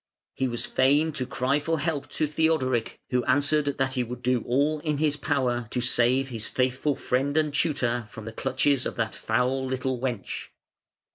He was fain to cry for help to Theodoric, who answered that he would do all in his power to save his faithful friend and tutor from the clutches of that foul little wench.